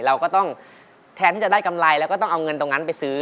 เราก็ต้องแทนที่จะได้กำไรแล้วก็ต้องเอาเงินตรงนั้นไปซื้อ